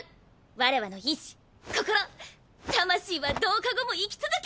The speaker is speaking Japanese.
わらわの意思心魂は同化後も生き続け。